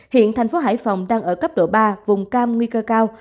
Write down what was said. hiện thành phố hải phòng đang ở cấp độ ba vùng cam nguy cơ cao